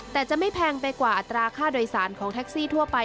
แต่จะไม่แพงไปกว่าอัตราค่าโดยสารของแท็กซี่ทั่วไป